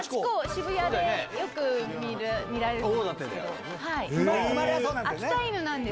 渋谷でよく見る。